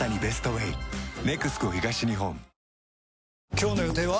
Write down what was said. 今日の予定は？